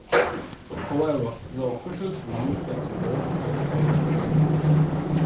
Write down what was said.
However, the officials ruled that the ball had no chance of going in.